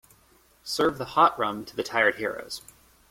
Serve the hot rum to the tired heroes.